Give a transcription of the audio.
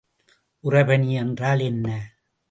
உறைபனி என்றால் என்ன?